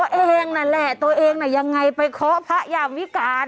เองนั่นแหละตัวเองน่ะยังไงไปเคาะพระยามวิการ